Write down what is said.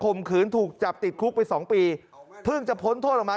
มขืนถูกจับติดคุกไปสองปีเพิ่งจะพ้นโทษออกมา